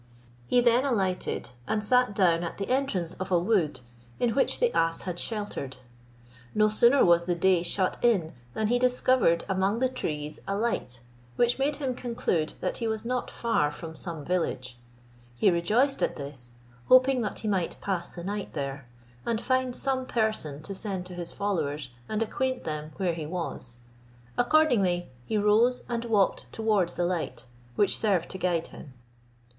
He then alighted, and sat down at the entrance of a wood, in which the ass had sheltered. No sooner was the day shut in than he discovered among the trees a light, which made him conclude that he was not far from some village; he rejoiced at this, hoping that he might pass the night there, and find some person to send to his followers and acquaint them where he was; accordingly he rose and walked towards the light, which served to guide him.